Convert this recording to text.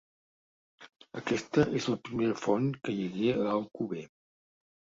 Aquesta és la primera font que hi hagué a Alcover.